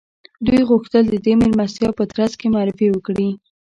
دوی غوښتل د دې مېلمستیا په ترڅ کې معرفي وکړي